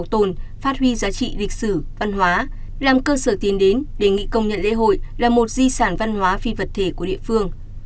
tồn phát huy giá trị lịch sử văn hóa làm cơ sở tiến đến đề nghị công nhận lễ hội là một di sản văn hóa phi vật thể của địa phương